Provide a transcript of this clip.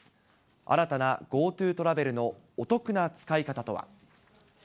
新たなＧｏＴｏトラベルのお得な使い方とは。